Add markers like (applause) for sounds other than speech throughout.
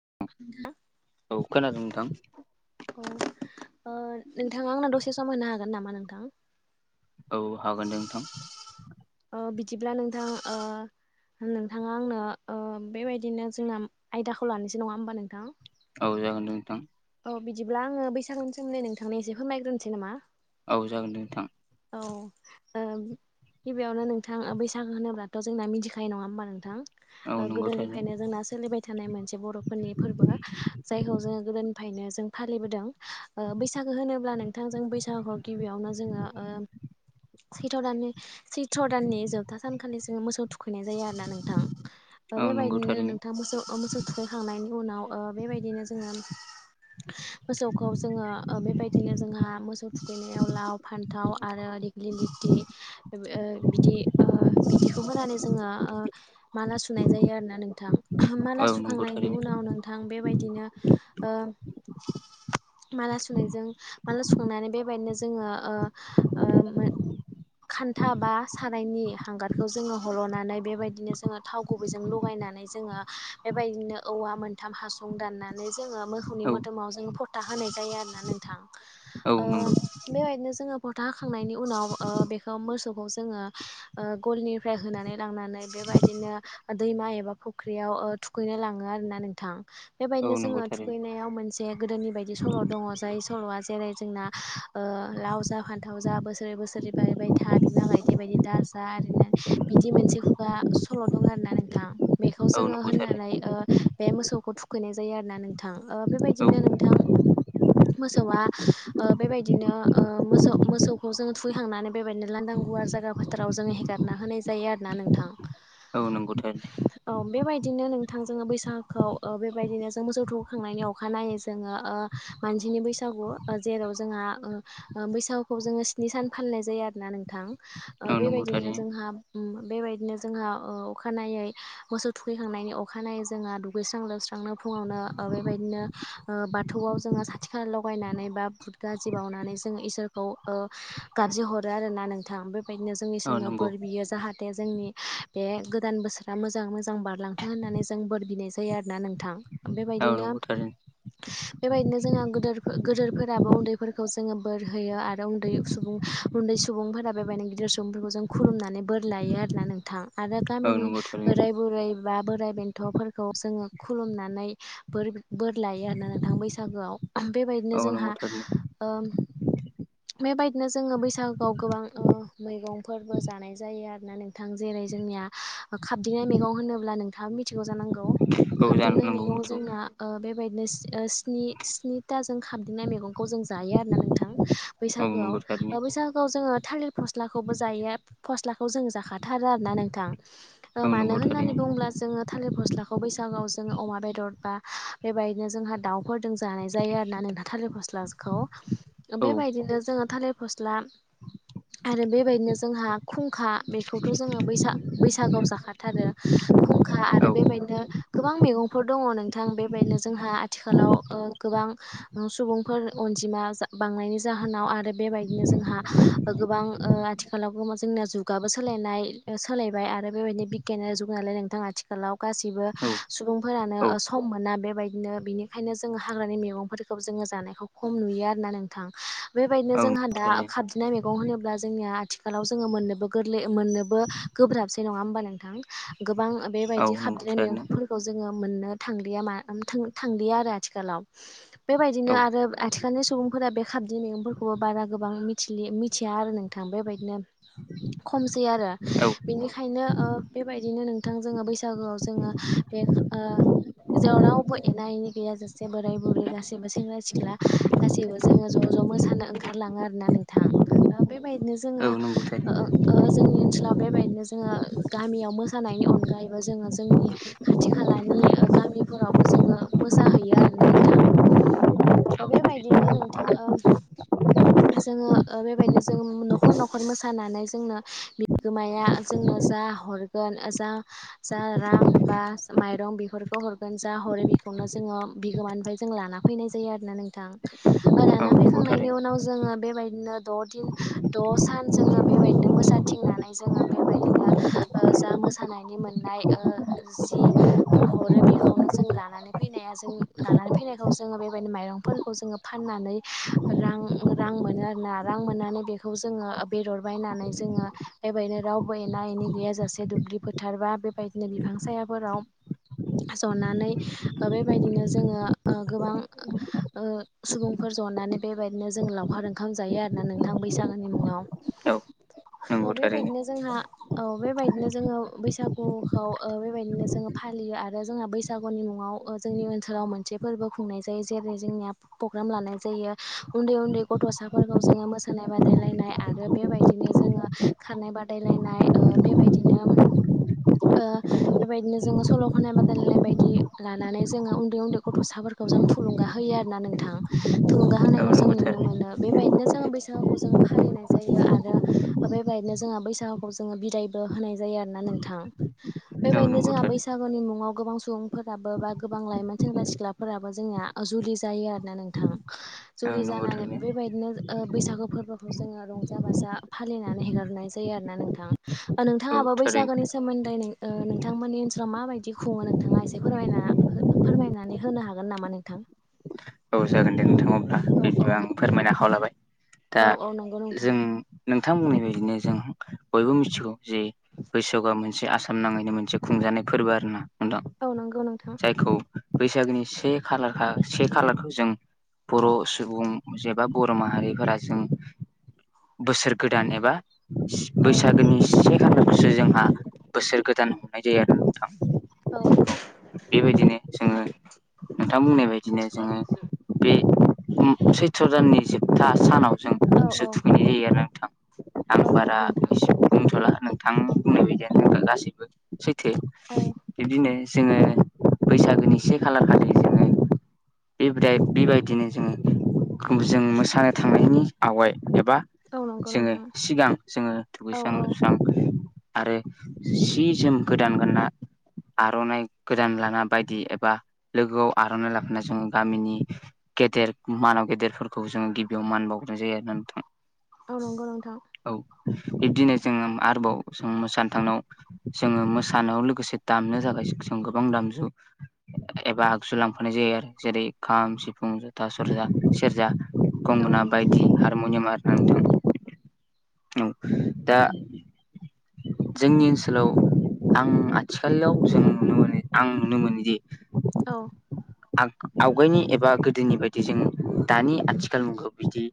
(unintelligible) औ खोनादों नोंथां अ ओ नोंथाङा आंनाव दसे सम होनो हागोन नामा नोंथां औ हागोन दे नोंथां ओ बिदिब्ला नोंथां ओ नोंथाङा आंनो ओ बेबायदिनो जोङा आयदाखौ लानोसै नङा होमबा नोंथां। औ जागोन दे नोंथां औ बिदिब्ला आङो बैसागुनि सोमोन्दै नोंथांनि एसे फोरमायग्रोसै नामा औ जागोन दे नोंथां औ ओ गिबियावनो नोंथां बैसागो होनोब्लाथ' जोंना मिथिखायो नङा होमबा नोंथां औ नंगौ थारैनो गोदोनिफ्रायनो जोंना सोलिबाय थानाय मोनसे बर'फोरनि फोरबो जायखौ जोङो गोदोनि फायनो जों फालिबोदों ओ बैसागो होनोब्ला नोंथांजों बैसागोखौ गिबियावनो जोङो ओ सैथ' दाननि सैथ्र' दाननि जोबथा सानखालि जोङो मोसौ थुखैनाय जायो आरो ना नोंथां औ नंगौ बेबायदिनो थारैनो नोंथाङ मोसौ मोसौ थुखैखांनायनि उनाव ओ बेबायदिनो जोङो मोसौखौ जोङो ओ बेबायदिनो जोंहा मोसौ थुखैनायाव लाव फान्थाव आरो देग्लि लिथि नि ओ बिदि ओ बिदिखौ मोनानै जोङो ओ माला सुनाय जायो आरोना नोंथां माला औ नंगौ सुखांनायनि थारैनो उनाव नोंथां बेबायदिनो ओ माला सुनायजों माला सुखांनानै बेबायदिनो जोङो ओ ओ मोन (inaudible) खान्था बा सारायनि हांगारखौ जोङो हल'नानै बेबायदिनो जोङो थाव गुबैजों लगायनानै जोंङो बेबायदिनो औवा मोनथाम हासुं दाननानै जोङो मोखौनि औ मोदोमाव जों फथा होनाय जायो आरो ना नोंथां औ ओ नंगौ बेबायदिनो जोङो फथा होखांनायनि उनाव ओ बेख (unintelligible) मोसौखौ जोङो ओ गलनिफ्राय होनानै लांनानै बेबायदिनो दैमा एबा फुख्रियाव ओ थुखैनो लाङो आरो ना नोंथां औ बेबायदिनो नंगौ जोङो थारैनो थुखैनायाव मोनसे गोदोनि बायदि स सल' दङ जाय सल'आ जेरै जोंना ओ लाव जा फान्थाव जा बोसोरै बोसोरै बारायबाय था बिमा गायदे बायदि दाजा (unintelligible) नो बिदि मोनसे खुगा सल दं आरो ना नोंथां बेखौ औ जोङो नंगौ थारैनो होननानै बे मोसौखौ थुखैनाय जायो आरो ना नोंथां ओ औ बेबायदिनो नोंथां मोसौआ ओ बेबायदिनो ओ मोसौ मोसौखौ जों थुहैखांनानै बेबायदिनो लांदां गुवार जायगा फोथाराव जोङो हेगारना होनाय जायो आरोना नोंथां औ नंगौथारै ओ बेबायदिनो नोंथां जोङो बैसागुखौ बेबायदिनो जों मोसौ थौखखांनायनि अखानायै जोङो ओ मानसिनि बैसागु ओ जेराव जोंहा ओ बैसागुखौ जोङो स्नि सान फालिनाय जायो आरो ना नोंथां ओ औ नंगौ बेबायदिनो थारैनो जोंहा बेबायदिनो जोंहा ओ अखानायै मोसौ थुखैखांनायनि अखानायै जोंहा दुगैस्रां लोबस्रांनो फुङावनो ओ बेबायदिनो बाथौआव जोङो साथि खाला लगायनानै बा बुद गाजि बावनानै माने जोङो इसोरखौ गाबज्रि हर रो आरो ना नोंथां बेबायदिनो जोंनि औ सोरनियाव नंगौ बोर बियो जाहाथे जोंनि बे गोदान बोसोरा मोजाङै मोजां बारलांथों होननानै जों बोर बिनाय जायो आरोना नोंथां औ बेबायदिनो नंगौ थारैनो बेबायदिनो जोङो गोदोर गोदोरफोराबो उन्दैफोरखौ जोङो बोर होयो आरो उन्दै सुबुं उन्दै सुबुंफोरा बेबायदिनो गिदिर सुबुंफोरखौ जों खुलुमनानै बोर लायो आरोना नोंथां। आरो औ गामिनि नंगौ थारैनो बोराय बुरैबा बोर बोराइ बेन्थफोरखौ जोङो खुलुमनानै बोर बोर लायो आरोना नोंथां बैसागोआव। बेबायदिनो औ जोंहा नंगौ थारैनो बेबायदिनो जोङो बैसाग बैसागुआव गोबां मैगंफोरबो जानाय जायो आरोना नोंथां जेरै जोंनिया खाब दिंनाय मैगं होनोब्ला नोंथाङा मिथिगौ जानांगौ औ जानो खाबदिंनाय नांगौ मैगं मिथिगौ जोंना बेबायदिनोनि स्निथाजों खाबदिंनाय मैगंखौ जों जायो आरो ना नोंथां। औ नंगौ थारैनो बैसागोआव बैसाग आव जोङो थालिर फस्लाखौबो जायो फस्लाखौ जों जाखाथारो आरोना नोंथां। औ मानो नंगौ होननानै थारैनो बुङोब्ला जोङो थालिर फस्लाखौ बैसागुआव जोङो अमा बेदर बा बेबायदिनो जोंहा दाउफोरजों जानाय जायो आरोना नोंथा थालिर फस्लाखौ औ बेबायदिनो जोङो थालिर फस्ला आरो बेबायदिनो जोंहा खुंखा बेखौथ' जोङो बैसाग-बैसागआव जाखाथारो। फुंखा आरो औ बेबायदिनो गोबां मैगंफोर दङ नोंथां बेबायदिनो जोंहा आथिखालाव गोबां सुबुंफोर अनजिमा बांनायनि जाहोनाव आरो बेबायदिनो जोंहा गोबां आथिखालाव गो जोंना जुगाबो सोलायनाय सोलायबाय आरो बेबायदिनो बिगियान नालाय नोंथां आथिखालाव गाससिबो औ सुबुंफोरानो औ सम मोना बेबायदिनो बेनिखायनो जों जों हाग्रानि मैगंफोरखौ जोङो जानायखौ खम नुयो आरोना नोंथां बेबायदिनो औ जोंहा नंगौ दा थारैनो खाबजोबनाय मैगं होनोब्ला जोंनिया आथिखालाव जोङो मोननोबो गोरलै मोननोबो गोब्राबसै नङा होमबा नोंथां गोबां औ बेबायदि नंगौ खाबदिंनाय थारैनो मैगफोरखौ जोङो मोननो थांलिया मा थांदिया आरो आथिखालाव बेबायदिनो औ आरो आथिखालनि सुबुं फोरा बे खाबदिं मैगंफोरखौबो बारा गोबां मिथि-मिथिया आरो नोंथां बेबायदिनो खमसै आरो औ बिनिखायनो बेबायदिनो नोंथां जोङो बैसागोआव जोङो बेे ओ जेराव रावबो एना एनि गैया जासे बोराय बुरै गासैबो सेंग्रा सिख्ला गासैबो जोङो ज' ज' ज' मोसानो ओंखारलाङो आरोना नों बेबायदिनो जोङो औ नंगौ थारैनो जोंनि ओनसोलाव बेबायदिनो जोङो गामियाव मोसानायनि अनगायैबो जोङो जोंनि खाथि खालानि गामिफोरावबो जोङो मोसाहैयो। आरोना नोंथां औ थारैनो बेबायदिनो नोंथां ओ जोङो बेबायदिनो जों न'खर न'खर मोसानानै जोंनो बिगोमाया जोंनो जा हरगोन जा जा रां बा मायरं बिफोरखौ हरगोन जा हरो बिखौनो जोङो बिगोमानिफ्राय जों लाना फैनाय जायो आरोना नोंथां लाना औ नंगौ फैखांनायनि थारैनो उनाव जोङो बेबायदिनो द' दिन द' सान जोङो बेबायदिनो मोसाथिंनानै जोङो बेबायदिनो जा मो मोसानायनि मोननाय ओ जि हरो बेखौनो जों लानानै फैनाया जों लानानै फैनायखौ जोङो बेबायदिनो माइरंफोरखौ जोङो फाननानै रां रां मोनो आरोना रां मोननानै बेखौ जोङो बेदर बायनानै जोङो बेबायदिनो रावबो एना एनि गैयाजासे दु दुब्लि फोथारबा बेबायदिनो बिफां सायाफोराव ज'नानै बेबायदिनो जोङो गोबां सुबुंफोर ज'नानै बेबायदिनो जों लावखार ओंखाम जायो आरोना नोंथां बैसागोनि मुङाव। औ औ नंगौ थारैनो बेबायदिनो जोंहा औ बेबायदिनो जोङो बैसागुखौ बेबायदिनो जोङो फालियो आरो जोंहा बैसागुनि मुङाव जोंनि ओनसोलाव मोनसे फोरबो खुंनाय जायो जेरै जोंनिया पग्राम लानाय जायो उन्दै उन्दै गथ'साफोरखौ जोङो मोसानाय बादायलायनाय आरो बेबायदिनो जोङो खानाय बादायलायनाय बेबायदिनो (inaudible) बेबायदिनो जोङो सल' खननाय बादायलायनाय बायदि लानानै जोङो उन्दै उन्दै गथ'साफोर जों थुुलुंगा होयो आरोना नोंथां थुलुंगा औ होनायखौ जों नंगौ नुनो थारैनो मोनो बेबायदिनो जों जोङो बैसागुखौ जों फालिनाय जायो आरो बेबायदिनो जोङो बैसागुखौ जोङो बिदायबो होनाय जायो। आरो ना नोंथां औ बेबायदिनो नंगौ जोंहा थारैनो बैसागुनि मुङाव गोबां सुबुंफोराबो बा गोबां लाइमोन सें सेंग्रा सिख्लाफोराबो जोंनिया जुलि जायो आरोोना नोंथां औ जुलि नंगौ जानानै थारैनो बेबायदिनो बैसागु फोरबोखौ जोङो रंजा बाजा फालिनानै हेगारनाय जायो आरो ना नोंथां औ नोंथाङाबा थारैनो बैसागोनि सोमोन्दै नों नोंथांमोननि ओनसोलाव माबायदि खुङो नोंथाङा एसे फोरमायना फोरमायनानै होनो हागोन नामा नोंथां (inaudible) औ जागोन दे नोंथाङा अब्ला औ बिदि औ आं फोरमायनाखाव लाबाय दा औ औ नंगौ जों नोंथां नों नोंथां बुंनाय बायदिनो जों बयबो मिथिगौ जे बैसोगआ मोनसे आसाम नाङैनो मोनसे खुंजानाय फोरबो ना नोंथां औ नंगौ नोंथां जायखौ बैसागोनि से खालारखा से खालारखौ जों बर' सुबुं जबा बर' माहारिफोरा जों बोसोर गोदान एबा औ बैसागोनि से खालारखौसो जोंहा बोसोर गोदान आयदाया नोंथां औ बेबायदिनो जोङो नोंथां बुंनाय बायदिनो जोङो बे उम सैथ्र' दाननि जोबथा सानाव जों औ गोसो थुखैनाय जायो आरो नोंथां आं औ बारा नंगौ नोंथां एसे बुंथ'ला नोंथां बुंनाय बायदियानो जोंथ गासैबो सैथो औ बिब्दिनो जोङो बैसागोनि एसे खालार खालि जोङो बे बेबायदिनो जोङो जों मोसानो थांनायनि आवगाय एबा औ नंगौ जोङो नोंथां सिगां जोङो औ दुगैस्रां औ लोबस्रां आरो जि जोम गोदान गोनना आर'नाइ गोदान लाना बायदि एबा लोगोआव आर'नाइ लाफा जों गामिनि गेदेर मानाव गेदेरफोरखौ जोङो गिबियाव मान बावगनाय जायो आरो ना नोंथां औ नोंगौ नोंथां बिबदिनो जोङो आरोबाव जों मोसानो थांनायाव जोङो मोसानायाव लोगोसे दामनो जाबाय जों गोबां दामजु एबा आगजु लांफानाय जायो आरो जेरै खाम, सिफुं, जथा, सरजा, सेरजा, औ गंगोना नंगौ बायदि हारमुनियाम आरो (inaudible) औ दा जोंनि ओनसोलाव आं आथिखालाव जों नुनो मोनो आं नुनो मोनोदि औ आग-आवगायनि एबा गोदोनि बायदि जों दानि आथिखाल मुगायाव बिदि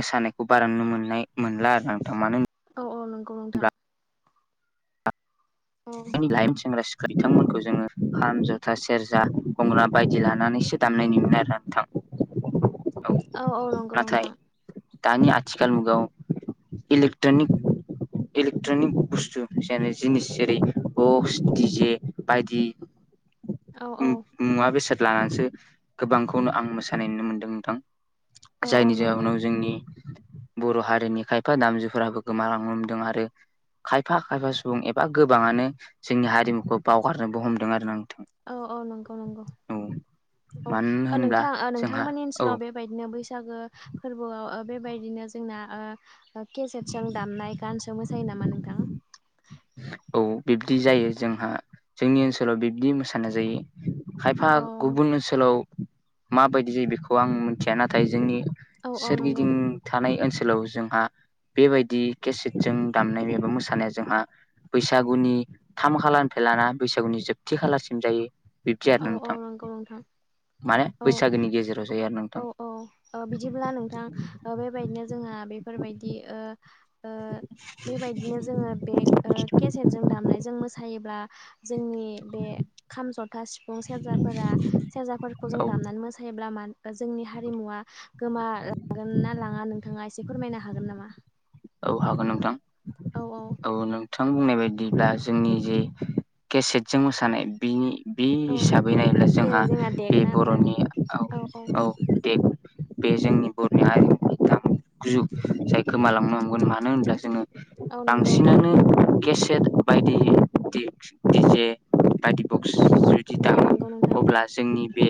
मोसानायखौ बारा नु मोननाय मोनला आरो नोंथां ओ नंगौ नोंथां औ लाइप सेनस बिथांमोनखौ जोङो खाम, जथा, सेरजा, गंग्रा बायदि लानानैसो दामनायनिो आरो नोंथां (inaudible) औ औ नंगौ नाथाय नोंथां दानि आथिखाल मुगायाव इलेक्ट्रनिक इलेक्ट्रनिक बुस्तु जेनि जिनिस जेरै बक्स दि जे बायदि औ औ मुवा बेसाद लानानैसो गोबांखौनो आं मोसानाय नुनो मोन्दों नोंथां औ औ जायनि नंगौ जाहोनाव जोंनि बर' हारिनि खायफा दामजुफोराबो गोमालांनो लोमदों आरो खायफा खायफा सुबुं एबा गोबाङानो जोंनि हारिमुखौ बावगारनोबो हमदों आरो नों औ औ नंगौ नंगौ मानो औ होनब्ला नोंथां जोंहा नोंथांमोननि औ ओनसोलाव बेबायदिनो बैसागु बैसागो फोरबोआव बेबायदिनो जोंना ओ केेजटजों दामनाय गानसो मोसायोना मा नोंथां। औ बिब्दि जायो जोंहा जोंनि ओनसोलाव बिब्दि मोसानाय जायो। खायफा औ गुबुन ओनसोलाव माबायदि जायो बेखौ आं मिथिया नाथाय जोंनि औ औ नंगौ सोरगिदिं थानाय ओनसो लाव जोंहा बेबायदि केसेटजों दामनाय एबा मोसानाया जोंहा बैसागुनि थाम खालारनिफ्राय लाना बैसागुनि जोबथि खालारसिम जायो। बिब्दि आरो औ औ नोंथां नंगौ नोंथां। माने औ बैसागोनि गेजेराव जायो आरो औ नोंथां औ बिदिब्ला नोंथां बेबायदिनो जोंहा बे फोरबायदि ओ ओ बेबायदिनो जोङो बे ओ केसेटजों दामनायजों मोसायो ब्ला जोंनि बे खामजथ खाम सिफुं सेरजाफोरा सेरजाफोरखौ जों औ दामनानै मोसायोब्ला मा जोंनि हारिमुआ गोमा लागोन ना लाङा नोंथाङा एसे फोरमायनो हागोन नामा? औ हागोन नोंथां औ नोंथां बुंनाय बायदिब्ला जोंनि जे केसेटजों मोसानाय बिनि बे औ हिसाबै नायोब्ला जोंहा जेरै जोंना बे देगना आरोना बर'नि औ दे बे जोंनि बर'नि हारिमुनि दाम गुजु जाय गोमालांनो हमगोन मानो होनब्ला जोङो औ नंगौ बांसिनानो केसेट बायदि दिकस दिजे बायदि बक्स औ दामो नंगौ नोंथां अब्ला जोंनि बे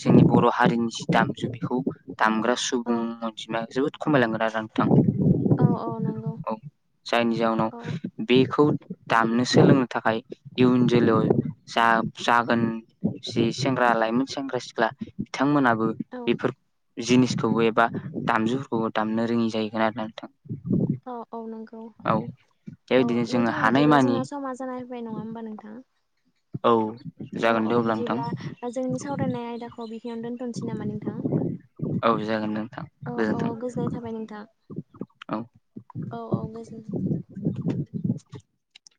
जोंनि बर' हारिनि जि दामजु बेखौ दामग्रा औ सुबुं अनजिमाया जोबोद खमायलांगोन आरो नोंथां औ औ नंगौ औ जायनि जाहोनाव औ बेखौ दामनो सोलोंनो थाखाय इयुन जोलैै जा जागोन। जि सेंग्रा लाइमोन सेंग्रा सिख्ला बिथांमोनाबो औ बेफोर जिनिसखौबो एबा दामजुफोरखौबो दामनो रोङि जाहैगोन आरो ना नोंथां। अ औ नोंगौ औ औ बेबायदिनो जोङो नोंथां बिदिब्ला हानायमानि जोंना समा जानाया फैबाय नङा होमबा नोंथाङा औ औ जागोन दे औ अब्ला नोंथां बिदिब्ला जोंनि सावरायनाय आयदाखौ बियावनो दोनथ'नोसै नामा नोंथां? औ जागोन दे नोंथां औ औ गोजोन्थों गोजोननाय थाबाय नोंथां औ औ औ गोजोनथों। (inaudible) (unintelligible)